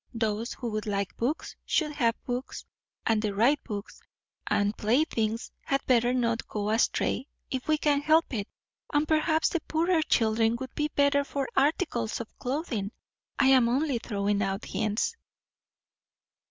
Those who would like books should have books, and the right books; and playthings had better not go astray, if we can help it; and perhaps the poorer children would be better for articles of clothing. I am only throwing out hints."